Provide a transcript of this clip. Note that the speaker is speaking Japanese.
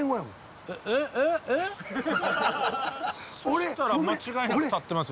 そしたら間違いなく建ってますよ。